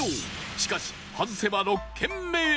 しかし外せば６軒目へ